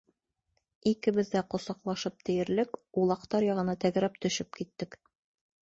Икебеҙ ҙә ҡосаҡлашып тиерлек улаҡтар яғына тәгәрәп төшөп киттек.